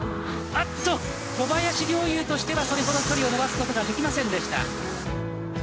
あっと小林陵侑としてはそれほど距離を伸ばすことができませんでした。